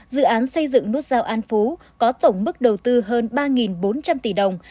dự án xây dựng nút giao an phú có tổng mức đầu tư hơn ba bốn trăm linh tỷ đồng